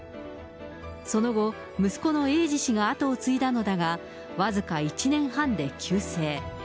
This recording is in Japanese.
その後、息子の英司氏が後を継いだのだが、僅か１年半で急逝。